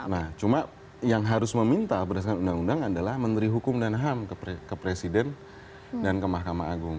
nah cuma yang harus meminta berdasarkan undang undang adalah menteri hukum dan ham ke presiden dan ke mahkamah agung